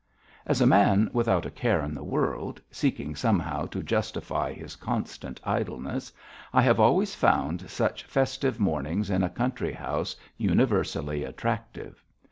As a man without a care in the world, seeking somehow to justify his constant idleness, I have always found such festive mornings in a country house universally attractive.